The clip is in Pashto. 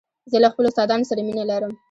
زه له خپلو استادانو سره مینه لرم.